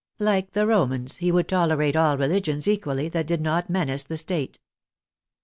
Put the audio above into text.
Like the Romans, he would tolerate all religions equally that did not menace the State.